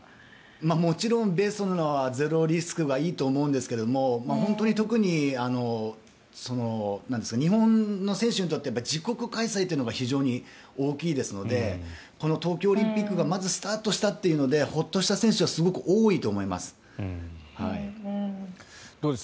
もちろんベストなのはゼロリスクがいいと思うんですが本当に、特に日本の選手にとって自国開催というのが非常に大きいですのでこの東京オリンピックがまずスタートしたというのでホッとした選手はすごく多いと思います。